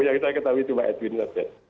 yang kita ketahui cuma edwin saja